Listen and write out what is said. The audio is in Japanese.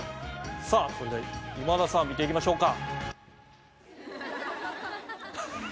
さあそれでは今田さん見ていきましょうか。